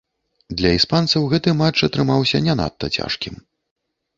Для іспанцаў гэты матч атрымаўся не надта цяжкім.